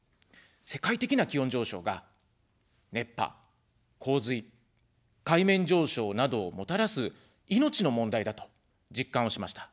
世界的な気温上昇が熱波、洪水、海面上昇などをもたらす命の問題だと実感をしました。